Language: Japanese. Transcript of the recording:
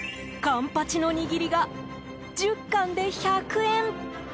カンパチの握りが１０貫で１００円。